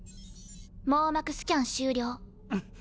網膜スキャン終了。